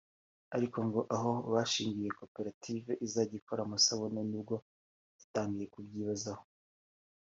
ariko ngo aho bashingiye koperative izajya ikora amasabune ni bwo yatangiye kubyibazaho